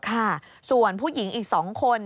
ค่ะส่วนผู้หญิงอีก๒คน